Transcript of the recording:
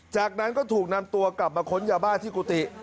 จากนั้นก็ถูกนำตัวกลับมาค้นยาบ้าที่กุฏิ